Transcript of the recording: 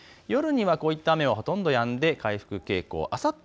夜にはこういった雨はほとんどやんで回復傾向です。